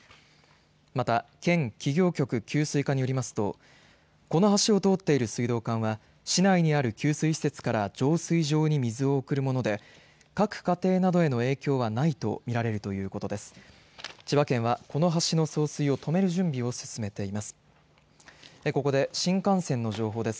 また県企業局給水課によりますとこの橋を通っている水道管は、市内にある給水施設から浄水場に水を送るもので各家庭などへの影響はないと見られるということです。